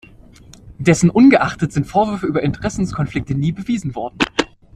Dessen ungeachtet sind Vorwürfe über Interessenskonflikte nie bewiesen worden.